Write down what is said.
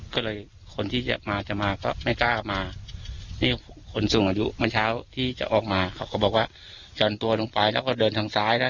ก็เลยคนที่จะมาจะมาก็ไม่กล้ามานี่คนสูงอายุเมื่อเช้าที่จะออกมาเขาก็บอกว่าจอนตัวลงไปแล้วก็เดินทางซ้ายได้